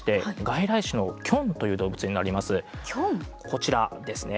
こちらですね。